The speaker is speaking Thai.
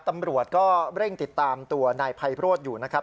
ตำรวจก็เร่งติดตามตัวนายไพโรธอยู่นะครับ